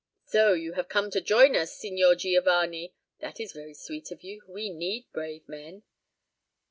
"So you have come to join us, Signor Giovanni? That is very sweet of you. We need brave men."